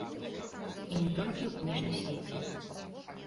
І не толькі ў кніжным свеце.